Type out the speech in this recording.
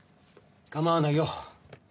構わないよ。